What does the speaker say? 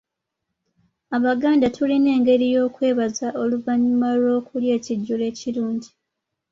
Abaganda tulina engeri y’okwebaza oluvannyuma lw’okulya ekijjulo ekirungi.